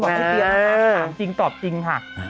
สะพารจริงตอบจริงค่ะ